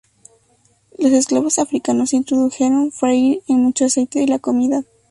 Los esclavos africanos introdujeron freír en mucho aceite de la comida.